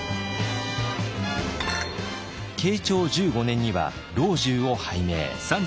慶長１５年には老中を拝命。